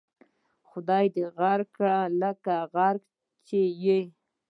خدای دې غرق کړه لکه غرق چې یې.